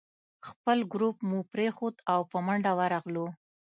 خپل ګروپ مو پرېښود او په منډه ورغلو.